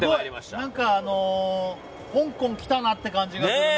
すごい香港来たなって感じがする。